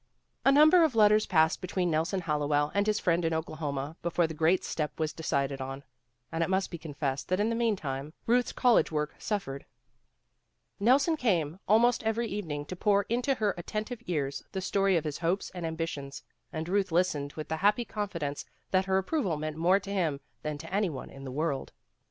A number of letters passed between Nelson Hallowell and his friend in Oklahoma before the great step was decided on. And it must be confessed that in the meantime Ruth's 169 170 PEGGY RAYMOND'S WAY college work suffered. Nelson came almost every evening to pour into her attentive ears the story of his hopes and ambitions, and Euth listened with the happy confidence that her ap proval meant more to him than to any one in the world.